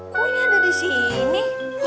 kok ini ada disini